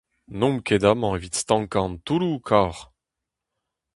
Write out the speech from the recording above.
N'omp ket amañ evit stankañ an toulloù, kaoc'h !